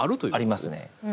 ありますね。